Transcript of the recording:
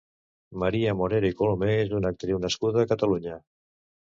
Maria Morera i Colomer és una actriu nascuda a Catalunya.